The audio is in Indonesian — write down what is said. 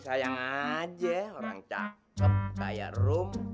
sayang aja orang cakep kayak room